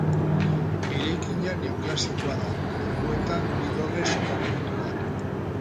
Eraikina neoklasikoa da, alboetan bi dorrez hornitua.